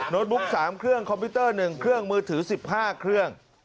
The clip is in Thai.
บุ๊ค๓เครื่องคอมพิวเตอร์๑เครื่องมือถือ๑๕เครื่อง